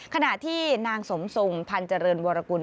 ขณะที่นางสมทรงพันธ์เจริญวรกุล